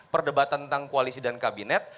perdebatan tentang koalisi dan kabinet